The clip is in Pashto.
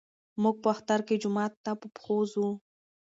موږ په اختر کې جومات ته په پښو ځو.